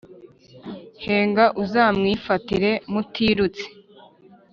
Henga uzamwifatire mutirutse